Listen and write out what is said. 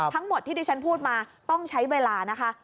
ทั้งหมดที่ที่ฉันพูดมาต้องใช้เวลานะคะ